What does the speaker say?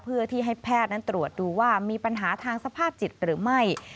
เพื่อที่ให้แพทย์นั้นตรวจดูว่ามีปัญหาทางสภาพจิตหรือไม่